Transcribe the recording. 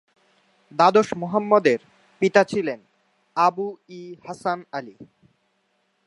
দ্বাদশ মোহাম্মদের পিতা ছিলেন আবু-ই-হাসান আলী।